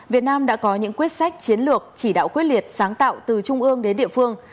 việt nam đã có những quyết sách chiến lược chỉ đạo quyết liệt sáng tạo từ trung ương đến địa phương